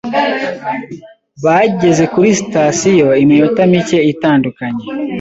Bageze kuri sitasiyo iminota mike itandukanye.